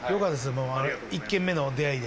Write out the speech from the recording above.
もう１軒目の出合いで。